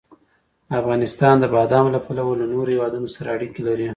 افغانستان د بادامو له پلوه له نورو هېوادونو سره اړیکې لري.